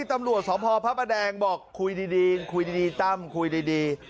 ตำรวจสพพระประแดงบอกคุยดีคุยดีตั้มคุยดี